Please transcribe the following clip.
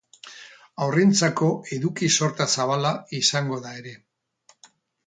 Haurrentzako eduki-sorta zabala izango da ere.